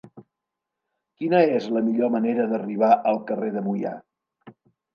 Quina és la millor manera d'arribar al carrer de Moià?